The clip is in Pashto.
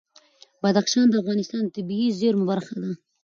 بدخشان د افغانستان د طبیعي زیرمو برخه ده.